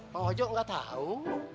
mang ojo nggak tahu